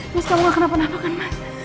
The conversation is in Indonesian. mas kamu gak kenapa napakan